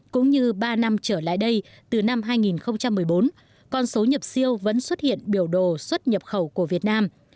cũng như ba năm trở lại đây từ năm hai nghìn một mươi bốn con số nhập siêu vẫn xuất hiện biểu đồ xuất nhập khẩu của việt nam